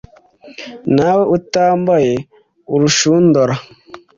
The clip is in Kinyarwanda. nta we utambaye urushundura,